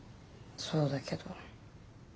そうだけど。